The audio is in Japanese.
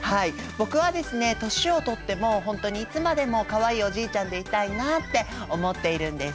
僕はですね年を取っても本当にいつまでもかわいいおじいちゃんでいたいなって思っているんです。